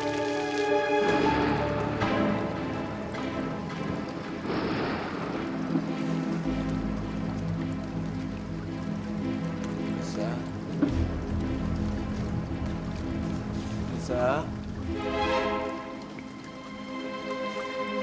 kalau tak lagi terlalu sakit saya mau tidur lagi nanti